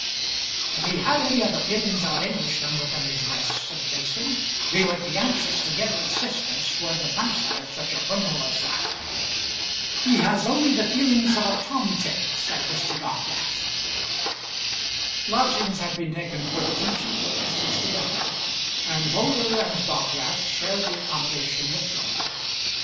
"If he had any of the feelings of an Englishman within his breast," said Mason, "he would be anxious to give assistance towards the punishment of such a criminal as that." "He has only the feelings of a tomtit," said Dockwrath. Lodgings had been taken for the two chief witnesses together, and Moulder and Dockwrath shared the accommodation with them.